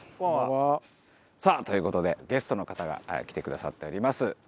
さあという事でゲストの方が来てくださっております。